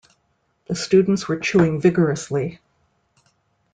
The students were chewing vigorously.